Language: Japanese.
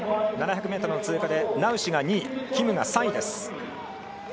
７００も通過でナウシュが２位キムが３位です。